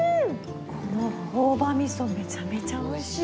この朴葉味噌めちゃめちゃ美味しい。